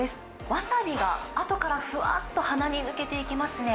わさびがあとからふわっと鼻に抜けていきますね。